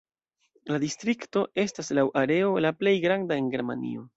La distrikto estas laŭ areo la plej granda en Germanio.